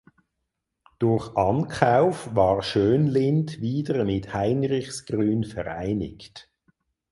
Durch Ankauf war Schönlind wieder mit Heinrichsgrün vereinigt.